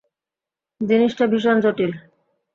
জিনিসটা ভীষণ জটিল।